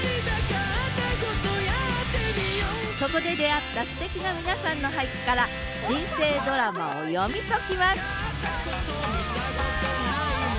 そこで出会ったすてきな皆さんの俳句から人生ドラマを読み解きます！